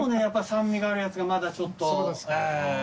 やっぱり酸味があるやつがまだちょっと。